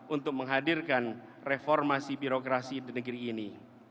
untuk menghadirkan reformasi birokrasi di negeri ini